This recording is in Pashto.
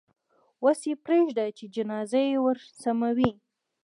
اوس یې پرېږده چې جنازه یې ورسموي.